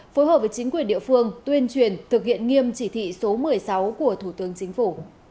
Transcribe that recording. phối hợp với chính quyền địa phương tuyên truyền thực hiện nghiêm chỉ thị số một mươi sáu của thủ tướng chính phủ